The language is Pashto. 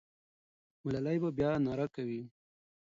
ملالۍ به بیا ناره کوي.